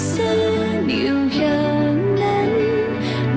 ซื้อนอยู่อย่างนั้น